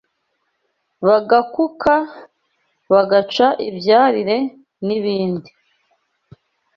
bagakuka, bagaca ibyarire, n’ibindi